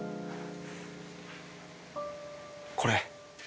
これ。